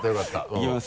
いきます